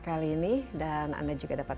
kali ini dan anda juga dapat